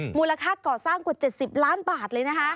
หมูลคาก่อสร้างกว่า๗๐ล้านบาท